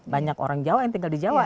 banyak orang jawa yang tinggal di jawa